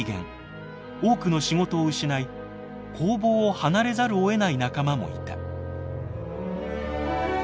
多くの仕事を失い工房を離れざるをえない仲間もいた。